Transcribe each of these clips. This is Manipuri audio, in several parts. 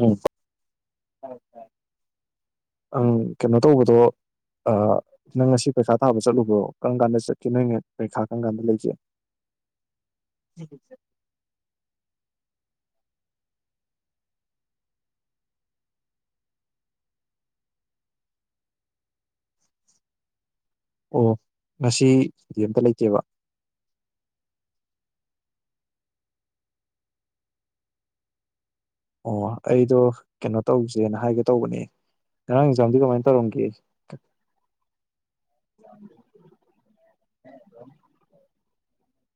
ꯎꯝ ꯑꯪ ꯀꯩꯅꯣ ꯇꯧꯕꯗꯣ ꯅꯪ ꯉꯁꯤ ꯄꯩꯈꯥ ꯊꯥꯕ ꯆꯠꯂꯨꯕ꯭ꯔꯣ ꯀꯔꯝ ꯀꯥꯟꯗ ꯆꯠꯀꯦ ꯅꯣꯏꯅꯦ ꯄꯔꯤꯈꯥ ꯀꯔꯝ ꯀꯥꯟꯗ ꯂꯩꯒꯦ꯫ ꯑꯣ ꯉꯁꯤ ꯀꯩꯢꯝꯇ ꯂꯩꯇꯦꯕ꯫ ꯑꯣ ꯑꯩꯗꯣ ꯀꯩꯅꯣ ꯇꯧꯁꯦꯅ ꯍꯥꯏꯒꯦ ꯇꯧꯕꯅꯦ ꯉꯔꯥꯡ ꯑꯦꯟꯖꯥꯝꯗꯤ ꯀꯃꯥꯏꯅ ꯇꯧꯔꯝꯒꯦ꯫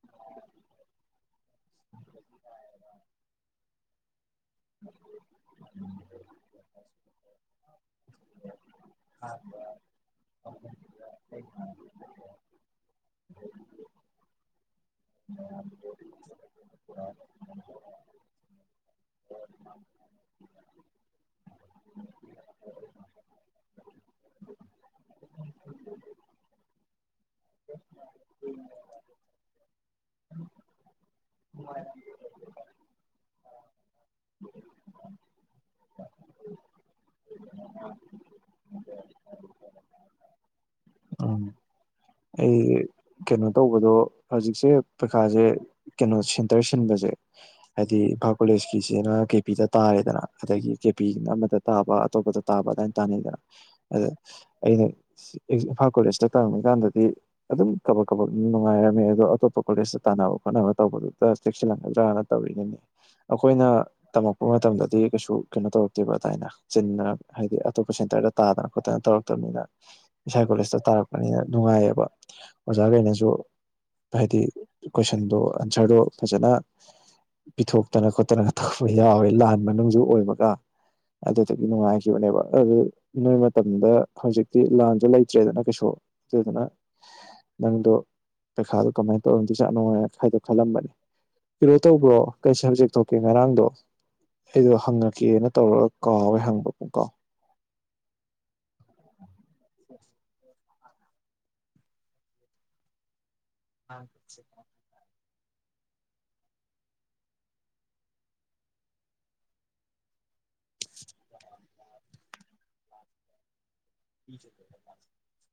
[inaudible] [inaudible] [unintelligible] [unintelligible] [unintelligible] ꯎꯝ꯫ ꯎꯝ ꯀꯩꯅꯣ ꯇꯧꯕꯗꯣ ꯍꯧꯖꯤꯛꯁꯦ ꯄꯩꯔꯤꯈꯥꯁꯦ ꯀꯩꯅꯣ ꯁꯦꯟꯇꯔ ꯁꯤꯟꯕꯁꯦ ꯍꯥꯏꯗꯤ ꯏꯝꯐꯥꯜ ꯀꯣꯂꯦꯖꯀꯤꯁꯤꯅ ꯀꯦ ꯄꯤꯗ ꯇꯥꯔꯦꯗꯅ ꯑꯗꯒꯤ ꯀꯦ ꯄꯤ ꯑꯃꯗ ꯇꯥꯕ ꯑꯇꯣꯞꯄꯗ ꯇꯥꯕ ꯑꯗꯨꯃꯥꯏꯅ ꯇꯥꯅꯩꯗꯅ ꯑꯗ ꯑꯩꯅ ꯏꯝꯐꯥꯜ ꯀꯣꯂꯦꯖꯇ ꯇꯧꯔꯝꯃꯤꯀꯥꯟꯗ ꯑꯗꯨꯝ ꯀꯕꯛ ꯀꯕꯛ ꯅꯨꯡꯉꯥꯏꯔꯝꯃꯦ ꯑꯗꯣ ꯑꯇꯣꯞꯄ ꯀꯣꯂꯦꯖꯇ ꯇꯥꯟꯅꯕ ꯈꯣꯠꯅꯕ ꯇꯧꯕꯗꯨꯗ ꯆꯦꯛꯁꯤꯜꯂꯛꯒꯗ꯭ꯔꯥꯅ ꯇꯧꯔꯤꯅꯤꯅꯦ ꯑꯩꯈꯣꯏꯅ ꯇꯝꯃꯛꯄ ꯃꯇꯝꯗꯗꯤ ꯀꯩꯁꯨ ꯀꯩꯅꯣ ꯇꯧꯔꯛꯇꯦꯕ ꯑꯗꯨꯗꯥꯥꯏꯅ ꯆꯤꯟꯅ ꯍꯥꯏꯗꯤ ꯑꯇꯣꯞꯄ ꯁꯦꯟꯇꯔꯗ ꯇꯥꯗꯅ ꯈꯣꯠꯇꯅ ꯇꯧꯔꯛꯇꯕꯅꯤꯅ ꯏꯁꯥ ꯀꯣꯂꯦꯖꯇ ꯇꯥꯔꯛꯄꯅꯤꯅ ꯅꯨꯡꯉꯥꯏꯌꯦꯕ ꯑꯣꯖꯥꯈꯩꯅꯁꯨ ꯍꯥꯏꯗꯤ ꯀꯣꯏꯁꯟꯗꯣ ꯑꯟꯁꯔꯗꯣ ꯐꯖꯅ ꯄꯤꯊꯣꯛꯇꯅ ꯈꯣꯠꯇꯅꯒ ꯇꯧꯕ ꯌꯥꯎꯋꯦ ꯂꯥꯟ ꯃꯅꯨꯡꯁꯨ ꯑꯣꯏꯕꯒ ꯑꯗꯨꯗꯒꯤ ꯅꯨꯡꯉꯥꯏꯈꯤꯕꯅꯦꯕ ꯑꯗꯨ ꯅꯣꯏ ꯃꯇꯝꯗ ꯍꯧꯖꯤꯛꯇꯤ ꯂꯥꯟꯖꯨ ꯂꯩꯇ꯭ꯔꯦꯗꯅ ꯀꯩꯁꯨ ꯑꯗꯨꯗꯨꯅ ꯅꯪꯗꯣ ꯄꯩꯈꯥꯗꯣ ꯀꯃꯥꯏꯅ ꯇꯧꯔꯝꯗꯣꯏ ꯖꯥꯠꯅꯣ ꯍꯥꯏ ꯈꯗꯣ ꯈꯜꯂꯝꯕꯅꯤ ꯀꯩꯅꯧ ꯇꯧꯕ꯭ꯔꯣ ꯀꯩ ꯁꯞꯖꯦꯛ ꯊꯣꯛꯀꯦ ꯉꯔꯥꯡꯗꯣ ꯑꯩꯗꯣ ꯍꯪꯉꯛꯀꯦꯅ ꯇꯧꯔꯒ ꯀꯥꯎꯋꯦ ꯍꯪꯕ ꯄꯨꯡ ꯀꯥꯎ꯫ [inaudible] [inaudible] [inaudible]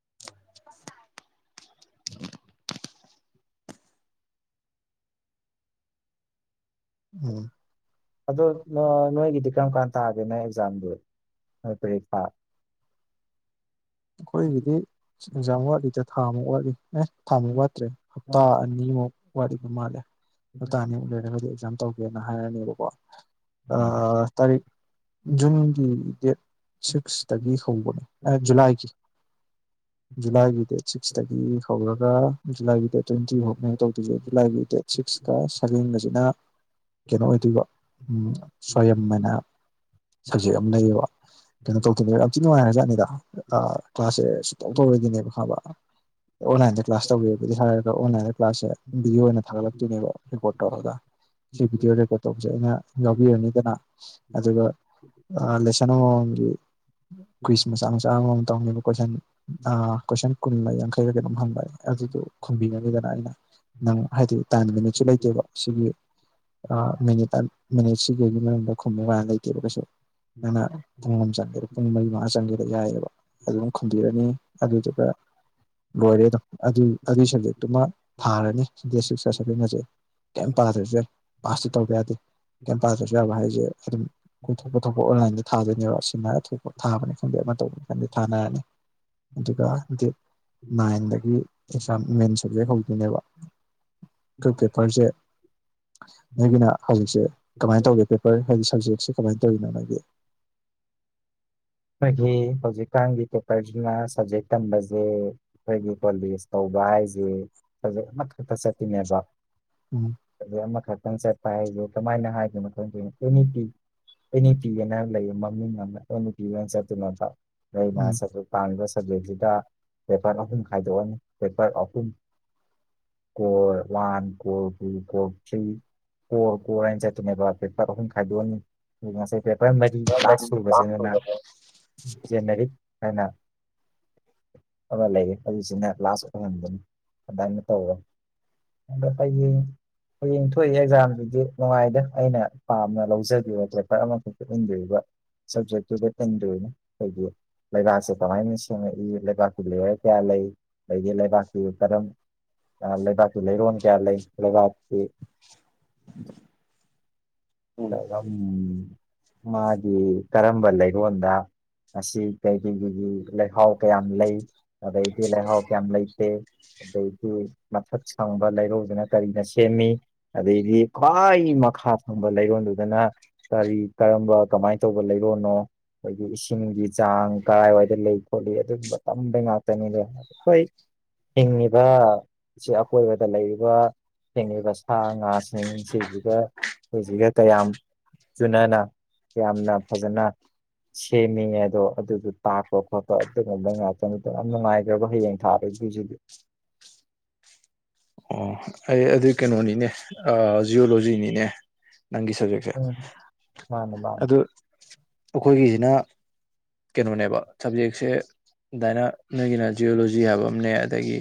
[inaudible] ꯎꯝ ꯑꯗꯣ ꯅꯣꯏ ꯅꯣꯏꯒꯤꯗꯤ ꯀ꯭ꯔꯝ ꯀꯥꯟ ꯇꯥꯒꯦ ꯅꯪ ꯑꯦꯛꯖꯥꯝꯗꯨ [unintelligible] ꯑꯩꯈꯣꯏꯒꯤꯗꯤ ꯑꯦꯛꯖꯥꯝ ꯋꯥꯠꯂꯤꯗ ꯊꯥꯃꯨꯛ ꯋꯥꯠꯂꯤ ꯑꯦ ꯊꯥꯃꯨꯛ ꯋꯥꯠꯇ꯭ꯔꯦ ꯍꯞꯇꯥ ꯑꯅꯤꯃꯨꯛ ꯋꯥꯠꯂꯤꯕ ꯃꯥꯜꯂꯦ ꯍꯞꯇꯥ ꯑꯅꯤꯃꯨꯛ ꯂꯩꯔꯒꯗꯤ ꯑꯦꯛꯖꯥꯝ ꯇꯧ ꯍꯥꯏꯔꯅꯦꯕꯀꯣ꯫ ꯑꯥ. ꯇꯥꯔꯤꯛ ꯖꯨꯟꯒꯤ ꯗꯦꯠ ꯁꯤꯛꯁꯇꯒꯤ ꯍꯧꯕꯅꯦ ꯖꯨꯂꯥꯏꯒꯤ꯫ ꯖꯨꯂꯥꯏꯒꯤ ꯗꯦꯠ ꯁꯤꯛꯁꯇꯒꯤ ꯍꯧꯔꯒ ꯖꯨꯂꯥꯏꯒꯤ ꯗꯦꯠ ꯇ꯭ꯋꯦꯟꯇꯤ ꯐꯥꯎꯅꯦ ꯇꯧꯗꯣꯏꯖꯦ ꯑꯗꯨ ꯖꯨꯂꯥꯏꯒꯤ ꯗꯦꯠ ꯁꯤꯛꯁꯀ ꯁꯚꯦꯟꯒꯁꯤꯅ ꯀꯩꯅꯣ ꯑꯣꯏꯗꯣꯏꯕ ꯁ꯭ꯋꯥꯌꯝ ꯑꯝꯅ ꯁꯕꯖꯦꯛ ꯑꯃ ꯂꯩꯌꯦꯕ ꯀꯩꯅꯣ ꯇꯧꯗꯣꯏ ꯌꯥꯝ ꯊꯤꯅ ꯅꯨꯡꯉꯥꯏꯒꯖꯥꯠꯅꯤꯗ ꯑ ꯀ꯭ꯂꯥꯁꯁꯦ ꯁꯨꯛꯇꯧ ꯇꯧꯔꯣꯏꯗꯣꯢꯅꯦꯕ ꯈꯪꯉꯕ ꯑꯣꯟꯂꯥꯏꯟꯗ ꯀ꯭ꯂꯥꯁ ꯇꯧꯖꯦꯕꯗꯤ ꯍꯥꯏꯔꯒ ꯑꯣꯟꯂꯥꯏꯟꯗ ꯀ꯭ꯂꯥꯁꯁꯦ ꯚꯤꯗꯤꯑꯣ ꯑꯣꯏꯅ ꯊꯥꯒꯠꯂꯛꯇꯣꯏꯅꯦꯕ ꯔꯦꯀꯣꯔꯠ ꯇꯧꯔꯒ ꯁꯤ ꯚꯤꯗꯤꯑꯣ ꯔꯦꯀꯣꯔꯠ ꯇꯧꯕꯁꯦ ꯑꯩꯅ ꯌꯥꯎꯕꯤꯔꯅꯤꯗꯅ ꯑꯗꯨꯒ ꯂꯦꯁꯟ ꯑꯃꯃꯝꯒꯤ ꯀꯨꯏꯁ ꯃꯆꯥ ꯃꯆꯥ ꯑꯃꯃꯝ ꯇꯧꯅꯤꯕ ꯀꯣꯏꯁꯟ ꯀꯣꯏꯁꯟ ꯀꯨꯟꯒ ꯌꯥꯡꯈꯩꯒꯒ ꯑꯗꯨꯝ ꯍꯪꯕ ꯑꯗꯨꯗꯨ ꯈꯨꯝꯕꯤꯔꯅꯤꯗꯅ ꯑꯩꯅ ꯅꯪ ꯍꯥꯏꯗꯤ ꯇꯥꯏꯝ ꯃꯤꯅꯤꯠꯁꯨ ꯂꯩꯇꯦꯕ ꯁꯤꯒꯤ ꯃꯤꯅꯤꯠ ꯃꯤꯅꯤꯠ ꯁꯤꯒꯤ ꯃꯅꯨꯡꯗ ꯈꯨꯝꯕ ꯀꯥꯏꯅ ꯂꯩꯇꯦꯕ ꯀꯩꯁꯨ ꯅꯪꯅ ꯄꯨꯡ ꯆꯪꯒꯦꯔ ꯄꯨꯡ ꯃꯔꯤ ꯃꯉꯥ ꯆꯪꯒꯦꯔ ꯌꯥꯏꯑꯕ ꯈꯨꯝꯕꯤꯔꯅꯤ ꯑꯗꯨꯗꯨꯒ ꯂꯣꯏꯔꯦ ꯑꯗꯨꯝ ꯑꯗꯨꯏ ꯑꯗꯨꯒꯤ ꯁꯕꯖꯦꯛꯇꯨꯃ ꯊꯥꯔꯅꯤ ꯁꯤꯛꯁꯇ ꯁꯕꯖꯅꯁꯦ ꯀꯩꯝ ꯄꯥꯗ꯭ꯔꯁꯨ ꯌꯥꯏ ꯄꯥꯁꯇ ꯇꯧꯕ ꯌꯥꯗꯦ ꯀꯩꯝ ꯄꯥꯗ꯭ꯔꯁꯨ ꯌꯥꯕ ꯍꯥꯏꯁꯦ ꯑꯗꯨꯝ ꯀꯣꯏꯊꯣꯛꯄ ꯊꯣꯛꯄ ꯑꯣꯟꯂꯥꯏꯟꯗ ꯊꯥꯗꯣꯏꯅꯦꯕ ꯁꯤꯃꯔꯄ ꯊꯥꯕꯅꯤ ꯈꯟꯗꯦ ꯑꯃ ꯇꯧꯕꯅꯤ ꯈꯪꯗꯦ ꯊꯅꯅ ꯑꯗꯨꯒ ꯗꯦꯠ ꯅꯥꯏꯟꯗꯒꯤ ꯑꯦꯛꯖꯥꯝ ꯃꯦꯟ ꯁꯕꯖꯦꯛ ꯍꯧ ꯟꯕ ꯀ ꯄꯦꯄꯔꯁꯦ ꯅꯣꯏꯒꯤꯅ ꯍꯧꯖꯤꯛꯁꯦ ꯀꯃꯥꯏꯅ ꯇꯧꯒꯦ ꯄꯦꯄꯔ ꯍꯥꯏꯗꯤ ꯁꯞꯖꯦꯛꯁꯦ ꯀꯃꯥꯏꯅ ꯇꯧꯔꯤꯅꯣ ꯅꯣꯏꯒꯤ ꯑꯩꯈꯣꯏꯒꯤ ꯍꯧꯖꯤꯛꯀꯥꯟꯒꯤ ꯄꯦꯄꯔꯁꯤꯅ ꯁꯕꯖꯦꯛ ꯇꯝꯕꯁꯦ ꯑꯩꯈꯣꯏꯒꯤ ꯀꯣꯂꯦꯖ ꯇꯧꯕ ꯍꯥꯏꯁꯦ ꯁꯕꯖꯦꯛ ꯑꯃꯈꯛꯇ ꯆꯠꯇꯠꯇꯅꯦꯕ ꯎꯝ ꯑꯗꯨ ꯑꯃ ꯈꯔ ꯈꯤꯪ ꯆꯠꯄ ꯍꯥꯏꯁꯦ ꯀꯃꯥꯏꯅ ꯍꯥꯏꯒꯦ ꯑꯦꯅꯤꯤ ꯑꯦꯅꯤꯇꯤ ꯑꯅ ꯂꯩꯌꯦ ꯃꯃꯤꯡ ꯑꯃ ꯕꯟ ꯆꯠꯇꯅꯠꯇ ꯑꯩ ꯎꯝ ꯃꯥꯁ ꯄꯥꯡ ꯁꯕꯖꯦꯛꯁꯤꯗ ꯄꯦꯄꯔ ꯑꯍꯨꯝ ꯈꯥꯏꯗꯣꯛꯑꯅꯤ ꯄꯦꯄꯔ ꯑꯍꯨꯝ core one core two core three core core ꯍꯥꯏꯅ ꯆꯠꯇꯅꯦꯕ ꯄꯦꯄꯔ ꯑꯍꯨꯝ ꯈꯥꯏꯗꯣꯛꯑꯅꯤ ꯑꯗꯨ ꯉꯁꯥꯏ ꯄꯦꯄꯔ ꯃꯔꯤ ꯂꯥꯁ ꯁꯨꯕꯁꯤꯅꯅ ꯑꯣ ꯖꯦꯅꯔꯤ ꯍꯥꯏꯅ ꯑꯃ ꯂꯩꯌꯦ ꯑꯗꯨꯁꯤꯅ ꯂꯥꯁ ꯑꯣꯏꯍꯟꯗꯨꯅꯤ ꯑꯗꯨꯃꯥꯏꯅ ꯇꯧꯋꯦ ꯑꯗꯣ ꯍꯌꯦꯡ ꯍꯌꯦꯡ ꯊꯣꯛꯏ ꯑꯦꯛꯖꯥꯝꯗꯨꯗꯤ ꯅꯨꯡꯉꯥꯏꯗꯦ ꯑꯩꯅ ꯄꯥꯝꯅ ꯂꯧꯖꯕꯤꯕ ꯄꯦꯄꯔ ꯑꯃꯈꯛꯇ ꯎꯟꯕꯤꯔꯤꯕ ꯁꯞꯖꯦꯛꯇꯨꯗ ꯆꯟꯅ ꯍꯥꯏ ꯂꯩꯕꯁꯦ ꯇꯥꯏ ꯅ ꯏ ꯂꯩꯦꯛ ꯀꯥꯛꯄꯤꯂꯦ ꯀꯌꯥ ꯂꯩ ꯑꯗꯒꯤ ꯂꯩꯕꯥꯛꯀꯤ ꯀꯔꯝ ꯂꯩꯕꯥꯛꯀꯤ ꯂꯩꯔꯣꯟ ꯀꯌꯥ ꯂꯩ ꯂꯩꯕꯥꯛ ꯎꯝ ꯝ ꯃꯥꯒꯤ ꯀꯔꯝꯕ ꯂꯩꯔꯣꯟꯗ ꯑꯁꯤ ꯀꯩ ꯀꯩ ꯀꯒꯤ ꯂꯩꯍꯥꯎ ꯀꯌꯥꯝ ꯂꯩ ꯑꯗꯩꯇ ꯂꯦꯍꯣ ꯀꯦ ꯑꯃ ꯂꯩꯇꯦ ꯑꯗ ꯃꯊꯛ ꯁꯪꯕ ꯂꯩꯔꯧꯗꯨꯅ ꯀꯔꯤꯅ ꯁꯦꯝꯃꯤ ꯑꯗꯩꯗꯤ ꯀ ꯃꯈꯥ ꯊ ꯂ ꯂꯩꯒꯗꯅ ꯀ ꯀꯃꯥꯏꯅ ꯇꯧꯕ ꯂꯩꯔꯣꯅꯣ ꯑꯩꯈꯣꯏꯒꯤ ꯏꯁꯤꯡꯒꯤ ꯆꯥꯡ ꯀꯗꯥꯥꯏꯋꯥꯏꯗ ꯂꯩ ꯈꯣꯠꯂꯤ ꯑꯗꯨꯒꯨꯝꯕ ꯇꯝꯕꯩ ꯉꯥꯛꯇꯅꯤꯅꯦ ꯑꯩꯈꯣꯏ ꯍꯤꯡꯉꯤꯕ ꯑꯀꯣꯏꯕꯗ ꯂꯩꯔꯤꯕ ꯍꯤꯡꯉꯕ ꯍ ꯉꯁꯤꯁꯤ ꯑ ꯑꯩꯈꯣꯏꯁꯤꯒ ꯀꯌꯥꯝ ꯆꯨꯅꯅ ꯌꯥꯝꯅ ꯐꯖꯅ ꯁꯦꯝꯃꯤꯉꯦ ꯑꯗꯣ ꯑꯗꯨꯗꯨꯣ ꯇꯥꯛꯄ ꯈꯣꯠꯄ ꯑꯗꯨꯒꯨꯝꯕ ꯉꯥꯛꯇꯅꯤꯗ ꯌꯥꯝ ꯅꯨꯡꯉꯥꯏꯈ꯭ꯔꯕ ꯍꯌꯦꯡ ꯊꯥꯔ ꯑꯗꯨꯁꯤꯗꯤ ꯑꯣ ꯑꯩ ꯑꯗꯨ ꯀꯩꯅꯣꯅꯤꯅꯦ ꯖꯤꯑꯣꯂꯣꯖꯤꯅꯤꯅꯦ ꯅꯪꯒꯤ ꯁꯕꯖꯦꯛꯁꯦ ꯎꯝ ꯃꯥꯅꯦ ꯃꯥꯅꯦ ꯑꯗꯨ ꯑꯩꯈꯣꯏꯒꯤꯁꯤꯅ ꯀꯩꯅꯣꯅꯦꯕ ꯁꯞꯖꯦꯛꯁꯦ ꯑꯗꯨꯃꯥꯏꯅ ꯅꯣꯏꯒꯤꯅ ꯖꯤꯑꯣꯂꯣꯖꯤ ꯍꯥꯏꯕ ꯑꯃꯅꯦ ꯑꯗꯒꯤ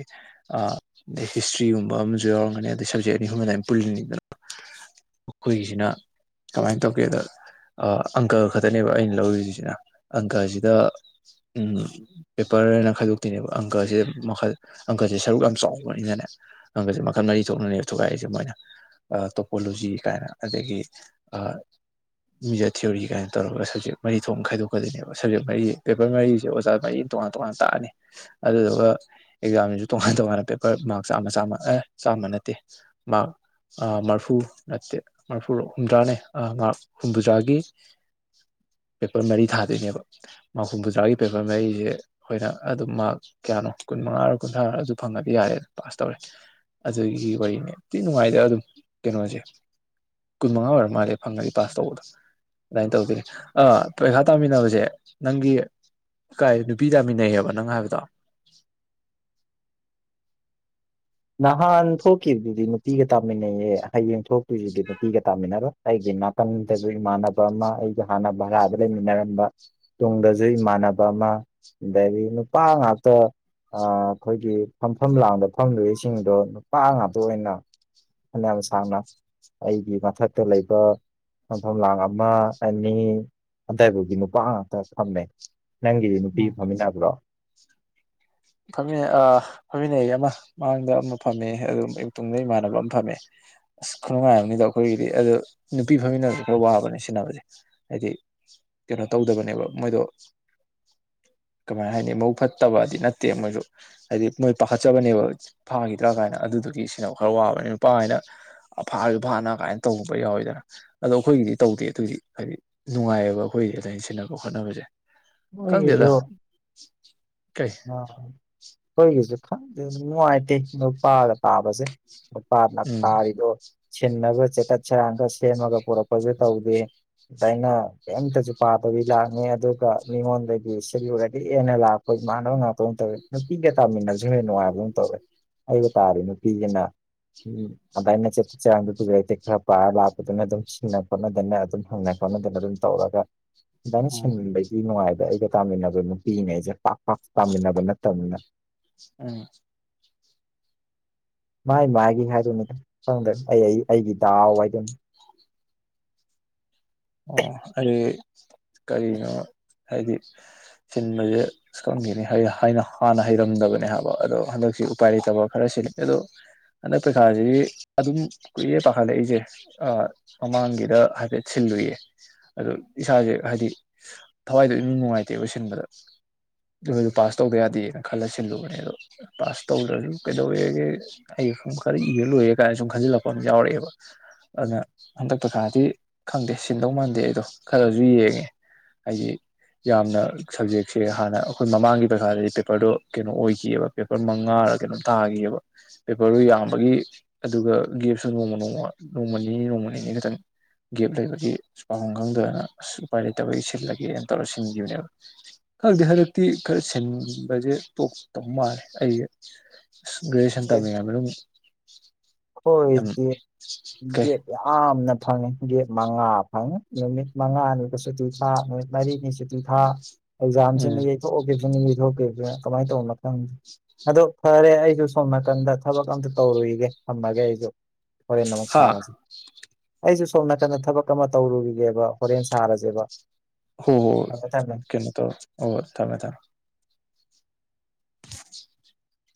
ꯍꯤꯁꯇ꯭ꯔꯤꯒꯨꯝꯕ ꯑꯃꯁꯨ ꯌꯥꯎꯔꯝꯒꯅꯤ ꯑꯗꯩ ꯁꯞꯖꯦꯛ ꯑꯅꯤ ꯑꯍꯨꯝꯕ ꯑꯗꯨ ꯄꯨꯜꯂꯤꯅꯤꯗꯅ ꯑꯩꯈꯣꯏꯒꯤꯁꯤꯅ ꯀꯃꯥꯏꯅ ꯇꯧꯒꯦꯗ ꯑꯪꯀ ꯈꯛꯇꯅꯦꯕ ꯑꯩꯅ ꯂꯧꯔꯤꯁꯤꯁꯤꯅ ꯑꯪꯀꯁꯤꯗ ꯄꯦꯄꯔ ꯍꯥꯏꯅ ꯈꯥꯏꯗꯣꯛꯇꯣꯏꯅꯦꯕ ꯑꯪꯀꯁꯤꯗ ꯃꯈꯜ ꯑꯪꯀꯁꯦ ꯁꯔꯨꯛ ꯌꯥꯝ ꯆꯥꯎꯕꯅꯤꯅꯅꯦ ꯍꯪꯒꯁꯦ ꯃꯈꯜ ꯃꯔꯤ ꯊꯣꯛꯅꯅꯦꯕ ꯊꯨꯒꯥꯏꯏꯁꯦ ꯃꯣꯏꯅ ꯇꯣꯄꯣꯂꯣꯖꯤ ꯀꯥꯏꯅ ꯑꯗꯒꯤ ꯃꯤꯖꯔ ꯊꯤꯑꯣꯣꯔꯤ ꯀꯥꯏꯅ ꯇꯧꯔꯒ ꯁꯕꯖꯦꯛ ꯃꯔꯤ ꯊꯣꯛꯅ ꯈꯥꯏꯗꯣꯛꯀꯗꯣꯏꯅꯦꯕ ꯁꯞꯖꯦꯛ ꯃꯔꯤ ꯄꯦꯄꯔ ꯃꯔꯤꯁꯦ ꯑꯣꯖꯥ ꯃꯔꯤ ꯇꯣꯉꯥꯟ ꯇꯣꯉꯥꯟ ꯇꯥꯛꯑꯅꯤ ꯑꯗꯨꯗꯨꯒ ꯑꯦꯛꯖꯥꯝꯁꯤꯁꯨ ꯇꯣꯉꯥꯟ ꯇꯣꯉꯥꯟꯅ ꯄꯦꯄꯔ ꯃꯥꯔꯛ ꯆꯥꯝꯃ ꯆꯥꯝꯃ ꯑꯦ ꯆꯥꯝꯃ ꯅꯠꯇꯦ ꯃꯥꯔꯛ ꯃꯔꯐꯨ ꯅꯠꯇꯦ ꯃꯔꯐꯨꯔ ꯍꯨꯝꯗ꯭ꯔꯥꯅꯦ ꯃꯥꯔꯛ ꯍꯨꯝꯐꯨꯇꯔꯥꯒꯤ ꯄꯦꯄꯔ ꯃꯔꯤ ꯊꯥꯗꯣꯏꯅꯦꯕ ꯃꯥꯔ ꯍꯨꯝꯐꯨꯇꯔꯥꯒꯤ ꯄꯦꯄꯔ ꯃꯔꯤꯁꯦ ꯑꯩꯈꯣꯏꯅ ꯑꯗꯨꯝ ꯃꯥꯔ ꯀꯌꯥꯅꯣ ꯀꯨꯟꯃꯉꯥ ꯀꯨꯟꯊ꯭ꯔꯥ ꯑꯗꯨ ꯐꯪꯉꯗꯤ ꯌꯥꯔꯦꯗꯅ ꯄꯥꯁ ꯇꯧꯔꯦ ꯑꯗꯨꯒꯤ ꯋꯥꯔꯤꯅꯦꯇꯤ ꯅꯨꯡꯉꯥꯏꯇꯦ ꯑꯗꯨꯝ ꯀꯩꯅꯣꯁꯦ ꯀꯨꯟ ꯃꯉꯥ ꯑꯣꯏꯔꯝ ꯃꯥꯜꯂꯦ ꯐꯪꯉꯗꯤ ꯄꯥꯁ ꯇꯧꯕꯗꯣ ꯑꯗꯨꯃꯥꯏꯅ ꯇꯧꯗꯅꯦꯥ ꯄꯩꯈꯥ ꯇꯥꯃꯤꯟꯅꯕꯁꯦ ꯅꯪꯒꯤ ꯀꯥꯏ ꯅꯨꯄꯤ ꯇꯥꯃꯤꯟꯅꯩꯌꯦꯕ ꯅꯪ ꯍꯥꯏꯕꯗꯣ ꯅꯍꯥꯟ ꯊꯣꯛꯈꯤꯕꯗꯨꯗꯤ ꯅꯨꯄꯤꯒ ꯇꯥꯃꯤꯟꯅꯩꯌꯦ ꯍꯌꯦꯡ ꯊꯣꯛ ꯇꯨꯏꯁꯤꯗꯤꯄꯤꯒ ꯇꯥꯃꯤꯟꯅꯔ ꯑꯩꯒꯤ ꯅꯥꯀꯟꯗꯁꯨ ꯏꯃꯥꯟꯅꯕ ꯑꯃ ꯑꯩꯒ ꯍꯥꯟꯅ ꯚꯔꯥꯗ ꯂꯩꯃꯤꯟꯅꯔꯝꯕ ꯇꯨꯡꯗꯁꯨ ꯏꯃꯥꯟꯅꯕ ꯑꯃ ꯑꯗꯒꯤ ꯅꯨꯄꯥ ꯉꯥꯛꯇ ꯑꯩꯈꯣꯏꯒꯤ ꯐꯝꯐꯝ ꯂꯥꯡꯗ ꯐꯝꯗꯣꯔꯤ ꯁꯤꯡꯗꯣ ꯅꯨꯄꯥ ꯉꯥꯛꯇ ꯑꯣꯏꯅ ꯐꯅꯌꯥꯝ ꯁꯥꯡꯅ ꯑꯩꯒꯤ ꯃꯊꯛꯇ ꯂꯩꯕ ꯐꯝꯐꯝꯂꯥꯡ ꯑꯃ ꯑꯅꯤ ꯑꯗꯨꯗꯥꯏꯐꯥꯎꯒꯤ ꯅꯨꯄꯥ ꯉꯥꯛꯇ ꯊꯝꯃꯦ ꯅꯪꯒꯤ ꯅꯨꯄꯤ ꯎꯝ ꯐꯝꯃꯤꯟꯅꯕ꯭ꯔꯣ ꯐꯝꯃꯤꯟꯅꯩ ꯐꯝꯃꯤꯟꯅꯩ ꯑꯃ ꯃꯥꯡꯗ ꯑꯃ ꯐꯝꯃꯦ ꯑꯗꯨ ꯇꯨꯡꯗ ꯏꯃꯥꯟꯅꯕ ꯑꯃ ꯐꯝꯃꯦ ꯑꯁ ꯈꯨꯅꯨꯡꯉꯥꯏꯗ ꯑꯩꯈꯣꯏꯒꯤꯗꯤ ꯑꯗꯨꯗ ꯅꯨꯄꯤ ꯐꯝꯃꯤꯟꯅꯕꯁꯨ ꯈꯔ ꯋꯥꯕꯅꯦ ꯁꯤꯖꯤꯟꯅꯕꯁꯦ ꯍꯥꯏꯗꯤ ꯀꯩꯅꯣ ꯇꯧꯗꯕꯅꯦꯕ ꯃꯣꯏꯗꯣ ꯀꯃꯥꯏ ꯍꯥꯏꯅꯤ ꯃꯧ ꯐꯠꯇꯕꯗꯤ ꯅꯠꯇ ꯅꯠꯇꯦ ꯃꯣꯏꯁꯨ ꯍꯥꯏꯗꯤ ꯃꯣꯏ ꯄꯥꯈꯠꯆꯕꯅꯦꯕ ꯐꯥꯈꯤꯗ꯭ꯔꯥ ꯀꯥꯏꯅ ꯑꯗꯨꯗꯨꯒꯤ ꯁꯤꯟꯅ ꯈꯔ ꯋꯥꯕꯅꯤ ꯅꯨꯄꯥ ꯍꯥꯏꯅ ꯐꯥꯁꯨ ꯐꯥꯅ ꯀꯥꯏꯅ ꯇꯧꯕꯧꯕ ꯌꯥꯎꯋꯤꯗꯅ ꯑꯗꯣ ꯑꯩꯈꯣꯏꯒꯤꯗꯤ ꯇꯧꯗꯦ ꯑꯗꯨꯏꯗꯤ ꯍꯥꯏꯗꯤ ꯅꯨꯡꯉꯥꯏꯑꯕ ꯑꯩꯈꯣꯏꯗꯤ ꯑꯗꯨꯃꯥꯏꯩꯅ ꯁꯤꯟꯅꯕ ꯈꯣꯠꯅꯕꯁꯦ ꯀꯪꯗꯗ ꯃꯣꯏꯒꯤꯁꯨ ꯀꯥꯏ ꯍꯣꯏꯒꯤꯁ ꯅꯨꯡꯉꯥꯏꯇꯦ ꯅꯨꯄꯥꯒ ꯇꯥꯕꯁꯦ ꯄꯔ ꯂꯥꯛ ꯎꯝ ꯇꯥꯔꯤꯗꯣ ꯁꯤꯟꯅꯕ ꯆꯩꯀꯠ ꯁꯦꯔꯥꯟꯒ ꯁꯦꯝꯃꯒ ꯄꯨꯔꯛꯄꯁꯨ ꯇꯧꯗꯦ ꯑ ꯑꯩꯅ ꯀꯔꯤꯝꯇꯁꯨ ꯄꯥꯕꯕꯤ ꯂꯥꯛꯅꯤ ꯑꯗꯨꯒ ꯃꯤꯉꯣꯟꯗꯒꯤ ꯁꯤꯂꯨꯔꯒ ꯑꯦꯅ ꯂꯥꯛꯄ ꯏꯃꯥꯟꯅꯕ ꯉꯥꯛꯇꯧ ꯇꯧꯋꯦ ꯅꯨꯄꯤꯒ ꯇꯥꯃꯤꯟꯅꯕꯁꯨ ꯍꯦ ꯅꯨꯡꯉꯥꯏꯕ ꯇ꯭ꯔꯦ ꯇꯥꯔꯤ ꯅꯨꯄꯤꯁꯤꯅ ꯎꯝ ꯑꯗꯨꯃꯥꯏꯅ ꯆꯦꯠꯄ ꯆꯔꯥꯡꯗꯨ ꯄꯨꯖ ꯂꯩꯇꯦ ꯈꯔ ꯄꯥꯔ ꯂꯥꯛꯄꯗꯨꯅ ꯑꯗꯨꯝ ꯁꯤꯡꯅ ꯈꯣꯠꯅꯗꯅ ꯑꯗꯨꯝ ꯍꯪꯅ ꯈꯣꯠꯅꯗꯅ ꯑꯗꯨꯝ ꯇꯧꯔꯒ ꯅ ꯁ ꯅꯨꯡꯉꯥꯏꯕ ꯑꯩꯒ ꯇꯥꯃꯤꯟꯅꯕ ꯅꯨꯄꯤꯅꯦ ꯑꯩꯁꯦ ꯄꯥꯛ ꯄꯥꯛ ꯇꯥꯃꯤꯟꯅꯕ ꯅꯠꯇꯕꯅꯤꯅ ꯑ ꯃꯥꯥꯏ ꯃꯥꯏꯒꯤ ꯈꯥꯏ ꯇꯃꯤꯗ ꯍꯗ꯭ꯔ ꯑꯩ ꯑꯩꯒꯦ ꯇꯑꯣꯥꯏꯗꯝ ꯑꯣ ꯑꯩꯗꯤ ꯀꯔꯤꯅꯣ ꯍꯥꯏꯗꯤ ꯁꯤꯟꯕꯁꯦ ꯁꯀꯪꯈꯤꯅꯤ ꯍꯥꯏꯅ ꯍꯥꯟꯅ ꯍꯩꯔꯝꯗꯕꯅꯦ ꯍꯥꯏꯕ ꯑꯗꯣ ꯍꯟꯗꯛꯁꯤ ꯎꯄꯥꯏ ꯂꯩꯇꯕ ꯈꯔ ꯁꯤꯜꯂꯤꯅꯤ ꯑꯗꯣ ꯍꯟꯗꯛ ꯄꯩꯈꯥꯁꯤꯗꯤ ꯑꯗꯨꯝ ꯀꯨꯏꯌꯦꯦ ꯄꯥꯈꯠꯂꯛꯏꯁꯦ ꯃꯃꯥꯡꯒꯤꯗ ꯍꯥꯏꯐꯦꯠ ꯁꯤꯜꯂꯨꯏꯌꯦ ꯑꯗꯣ ꯏꯁꯥꯁꯦ ꯍꯥꯏꯗꯤ ꯊꯋꯥꯏꯗꯣ ꯏꯃꯨꯡ ꯅꯨꯡꯉꯥꯏꯇꯦꯕ ꯁꯤꯟꯕꯗ ꯑꯩꯈꯣꯏꯗ ꯄꯥꯁ ꯇꯧꯗ ꯌꯥꯗꯦꯅ ꯈꯜꯂ ꯁꯤꯜꯂꯨꯕꯅꯦ ꯑꯗꯣ ꯄꯥꯁ ꯇꯧꯗ꯭ꯔꯁꯨ ꯀꯩꯗꯧꯋꯦꯒꯦ ꯑꯩ ꯈꯔ ꯏꯔ ꯂꯣꯏꯦ ꯀꯥꯏꯅ ꯁꯨꯝ ꯈꯟꯖꯤꯜꯂꯛꯄ ꯑꯃ ꯌꯥꯎꯔꯛꯑꯦꯕ ꯑꯗꯨꯅ ꯍꯟꯗꯛꯇ ꯈꯥꯔꯗꯤ ꯈꯪꯗꯦ ꯁꯤꯤꯟꯗꯧ ꯃꯥꯟꯗꯦ ꯑꯩꯗꯣ ꯈꯔꯁꯨ ꯌꯦꯡꯉꯦ ꯍꯥꯏꯗꯤ ꯌꯥꯝꯅ ꯁꯞꯖꯦꯛꯁꯦ ꯍꯥꯟꯅ ꯑꯩꯈꯣꯏ ꯃꯃꯥꯡꯒꯤ ꯄꯩꯈꯥꯗꯗꯤ ꯄꯦꯄꯔꯗꯣ ꯀꯩꯅꯣ ꯑꯣꯏꯈꯤꯑꯕ ꯄꯦꯄꯔ ꯃꯉꯥꯔ ꯀꯩꯅꯣꯝ ꯇꯥꯈꯤꯑꯕ ꯄꯦꯄꯔꯗꯣ ꯌꯥꯝꯕꯒꯤ ꯑꯗꯨꯒ ꯒꯦꯞꯁꯨ ꯅꯣꯡꯃ ꯅꯣꯡꯃ ꯅꯣꯡꯃ ꯅꯤꯅꯤ ꯅꯣꯡꯃ ꯅꯤꯅꯤ ꯈꯤꯇꯪ ꯒꯦꯞ ꯂꯩꯕꯒꯤ ꯄꯥꯈꯐꯝ ꯈꯪꯗꯗꯅ ꯑꯁ ꯎꯄꯥꯏ ꯂꯩꯇꯕꯒꯤ ꯁꯤꯜꯂꯒꯦꯅ ꯇꯧꯔ ꯁꯤꯟꯈꯤꯕꯅꯦꯕ ꯈꯪꯗꯦ ꯍꯟꯗꯛꯇꯤ ꯈꯔ ꯁꯤꯟꯕꯁꯦ ꯇꯣꯛꯇꯧ ꯃꯥꯜꯂꯦ ꯑꯩꯁꯦ ꯒꯁꯟ ꯇꯃꯦꯔꯝ ꯍꯣꯏꯝ ꯀꯩ ꯅ ꯐꯪꯉ ꯃꯉꯥ ꯐꯪꯉꯦ ꯅꯨꯃꯤꯠ ꯃꯉꯥꯅꯤ [unintelligible] ꯆꯇꯤꯊꯥ ꯑꯦꯛꯖꯥꯝꯁ ꯎꯝ ꯊꯣꯛꯀꯦꯅꯤꯡ ꯊꯣꯛꯀꯦ ꯀꯃꯥꯏꯅ ꯇꯧꯕ ꯈꯪꯦ ꯑꯗꯣ ꯐꯔꯦ ꯑꯩꯁꯨ ꯁꯣꯝ ꯟꯗ ꯊꯕꯛ ꯑꯝꯇ ꯇꯧꯔꯨꯏꯒꯦ ꯑꯃꯒ ꯍꯥꯏꯁꯨꯣ ꯍꯣꯔꯦꯟ ꯑꯃꯨꯛ ꯍꯥ ꯁꯥꯔꯁꯤ ꯑꯩꯁꯨ ꯁꯣꯝ ꯅꯥꯀꯟꯗ ꯊꯕꯛ ꯑꯃ ꯇꯧꯔꯨꯒꯤꯒꯦꯕ ꯍꯣꯔꯦꯟ ꯁꯥꯔꯁꯦꯕ ꯍꯣ ꯍꯣ ꯊꯝꯃꯦ ꯊꯝꯃꯦ ꯀꯩꯅꯣ ꯇꯧ ꯍꯣ ꯊꯝꯃꯦ ꯊꯝꯃꯦ